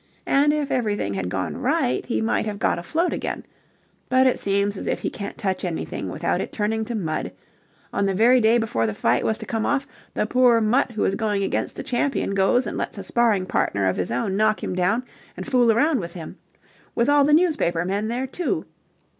And if everything had gone right he might have got afloat again. But it seems as if he can't touch anything without it turning to mud. On the very day before the fight was to come off, the poor mutt who was going against the champion goes and lets a sparring partner of his own knock him down and fool around with him. With all the newspaper men there too!